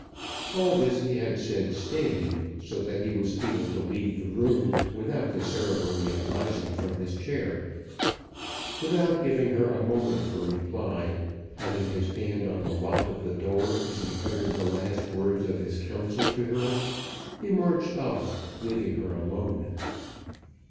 All this he had said standing, so that he was able to leave the room without the ceremony of rising from his chair. Without giving her a moment for reply, having his hand on the lock of the door as he uttered the last words of his counsel to her, he marched off, leaving her alone.